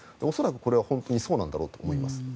おそらくこれは本当にそうなんだろうと思います。